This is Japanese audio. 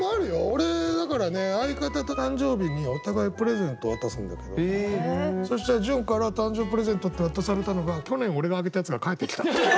俺だからね相方と誕生日にお互いプレゼントを渡すんだけどそしたら潤から誕生日プレゼントって渡されたのが去年俺があげたやつが返ってきた。